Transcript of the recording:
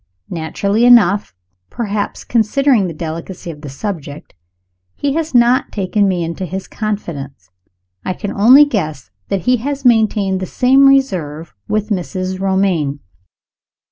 Naturally enough, perhaps, considering the delicacy of the subject, he has not taken me into his confidence. I can only guess that he has maintained the same reserve with Mrs. Romayne.